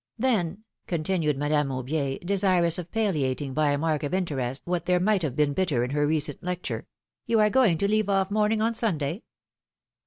Then," continued Madame Aubier, desirous of pallia ting by a mark of interest what there might have been bitter in her recent lecture, ^^you are going to leave ofi' mourning on Sunday?"